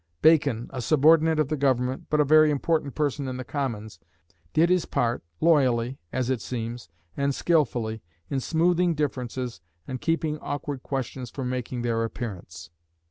Bacon, a subordinate of the Government, but a very important person in the Commons, did his part, loyally, as it seems, and skilfully in smoothing differences and keeping awkward questions from making their appearance.